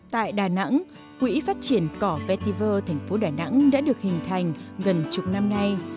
tại đà nẵng quỹ phát triển cỏ veiver thành phố đà nẵng đã được hình thành gần chục năm nay